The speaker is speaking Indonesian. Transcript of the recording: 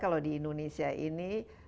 kalau di indonesia ini